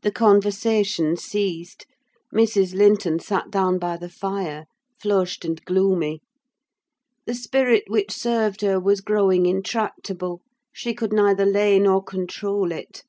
The conversation ceased. Mrs. Linton sat down by the fire, flushed and gloomy. The spirit which served her was growing intractable: she could neither lay nor control it.